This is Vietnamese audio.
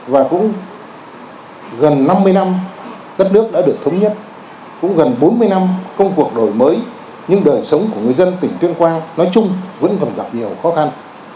và cũng gần năm mươi năm đất nước đã được thống nhất cũng gần bốn mươi năm công cuộc đổi mới nhưng đời sống của người dân tỉnh tuyên quang nói chung vẫn còn gặp nhiều khó khăn